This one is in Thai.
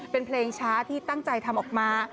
เป็นเพลงช้าที่ตั้งใจทำออกมา